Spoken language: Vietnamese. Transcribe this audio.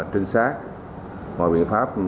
trinh sát biện pháp